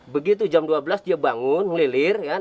begitu jam dua belas dia bangun melirir